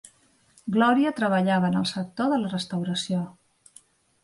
Glòria treballava en el sector de la restauració.